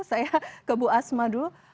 saya ke bu asma dulu